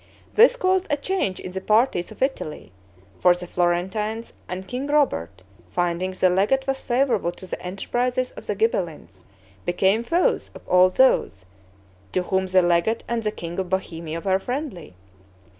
This caused a change in the parties of Italy; for the Florentines and King Robert, finding the legate was favorable to the enterprises of the Ghibellines, became foes of all those to whom the legate and the king of Bohemia were friendly.